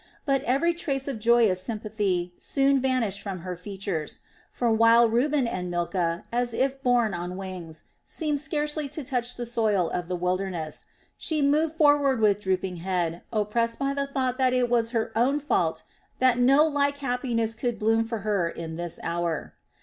But every trace of joyous sympathy soon vanished from her features; for while Reuben and Milcah, as if borne on wings, seemed scarcely to touch the soil of the wilderness, she moved forward with drooping head, oppressed by the thought that it was her own fault that no like happiness could bloom for her in this hour.